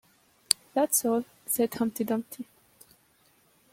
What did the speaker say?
‘That’s all,’ said Humpty Dumpty.